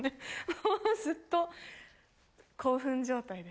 もうずっと興奮状態です。